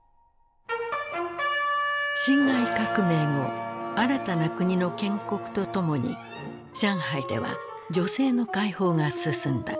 辛亥革命後新たな国の建国とともに上海では女性の解放が進んだ。